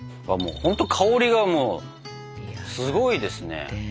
ほんと香りがすごいですね。